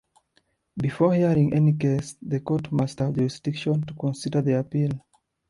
Before hearing any case, the Court must have jurisdiction to consider the appeal.